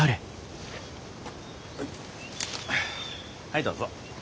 はいどうぞ。